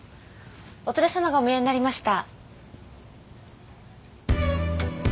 お連れ様がお見えになりました。